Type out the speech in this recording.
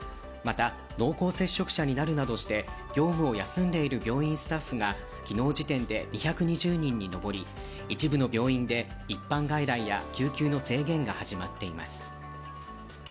また、濃厚接触者になるなどして業務を休んでいる病院スタッフが昨日時点で２２０人に上り、一部の病院で一般外来や救急の制限が始まっています。